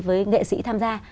với nghệ sĩ tham gia